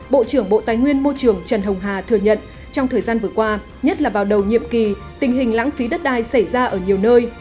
bộ trưởng bộ tài nguyên môi trường trần hồng hà thừa nhận trong thời gian vừa qua nhất là vào đầu nhiệm kỳ tình hình lãng phí đất đai xảy ra ở nhiều nơi